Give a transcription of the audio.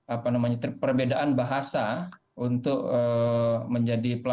apa namanya perbedaan bahasa untuk menjadi pelaku